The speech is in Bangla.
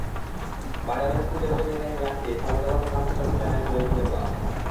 বাজারের পুলের রেলিংয়ে হেলান দিয়ে কোমরে বাধা গামছাটা খুলে নেন জয়গুনের বাপ।